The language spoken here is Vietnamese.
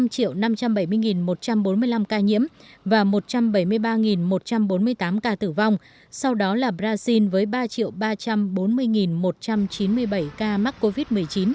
ca nhiễm và một trăm bảy mươi ba một trăm bốn mươi tám ca tử vong sau đó là brazil với ba ba trăm bốn mươi một trăm chín mươi bảy ca mắc covid một mươi chín